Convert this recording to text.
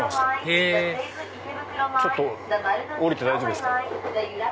へぇちょっと降りて大丈夫ですか？